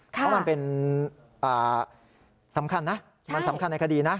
เพราะมันเป็นสำคัญนะมันสำคัญในคดีนะ